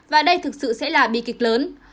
và đây thực sự sẽ là bi kịch lớn